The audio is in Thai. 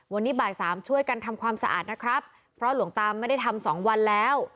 วันนี้บ่ายสามช่วยกันทำความสะอาดนะครับเพราะหลวงตาไม่ได้ทำสองวันแล้ว